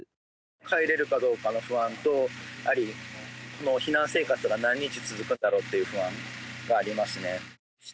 帰れるかどうかの不安と、やはりこの避難生活が何日続くんだろうっていう不安がありますね。